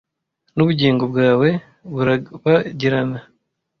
nubugingo bwawe burabagirana